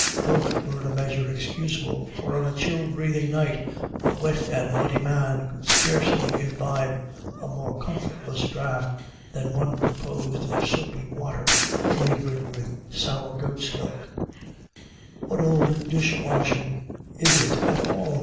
Both were in a measure excusable, for on a chill breathing night, a wet and muddy man could scarcely imbibe a more comfortless draught than one composed of soapy water flavoured with sour goat's milk " What ould dish washin's is it at all